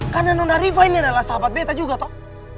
karena nona riva ini adalah sahabat beta juga toh